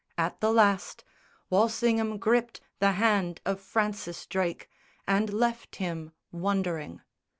At the last Walsingham gripped the hand of Francis Drake And left him wondering.